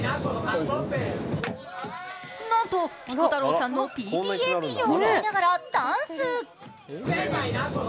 なんとピコ太郎さんの「ＰＰＡＰ」を歌いながらダンス。